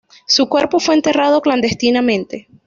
Su cuerpo fue enterrado clandestinamente.